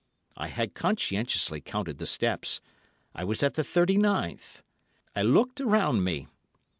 I had conscientiously counted the steps. I was at the thirty ninth. I looked around me.